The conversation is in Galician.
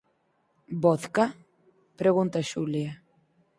Vodka? –pregunta Xulia.